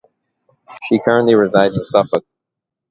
She currently resides in Suffolk.